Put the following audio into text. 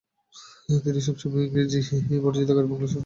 তিনি সবসময় ইংরেজি প্রভাব বর্জিত খাঁটি বাংলা শব্দ ব্যবহার করতেন।